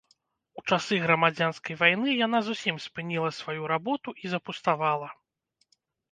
У часы грамадзянскай вайны яна зусім спыніла сваю работу і запуставала.